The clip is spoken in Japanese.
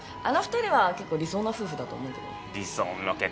あの２人は結構理想の夫婦だと思うけどな。